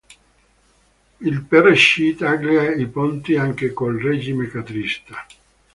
Il Prc taglia i ponti anche col regime castrista.